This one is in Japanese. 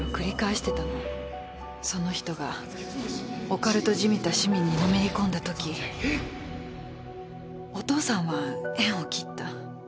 その人がオカルトじみた趣味にのめり込んだときお父さんは縁を切った。